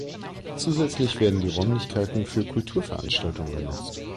Zusätzlich werden die Räumlichkeiten für Kulturveranstaltungen genutzt.